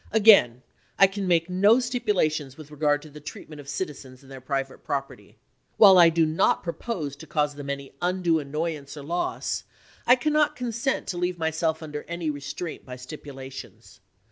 Again I can make no stipulations with regard to the treatment of citizens and their private property. While I do not propose to cause them any undue annoyance or loss, I cannot consent to leave myself under any restraint by stipulations.